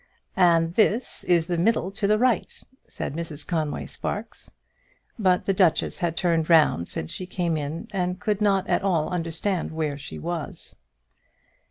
"And this is the middle to the right," said Mrs Conway Sparkes. But the duchess had turned round since she came in, and could not at all understand where she was.